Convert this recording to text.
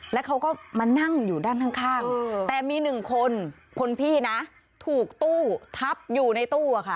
แล้วเขาก็มานั่งอยู่ด้านข้างแต่มีหนึ่งคนคนพี่นะถูกตู้ทับอยู่ในตู้อะค่ะ